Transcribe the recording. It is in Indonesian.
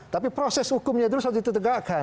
tapi proses hukumnya terus harus ditegakkan